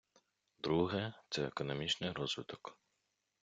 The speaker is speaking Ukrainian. Друге - це економічний розвиток.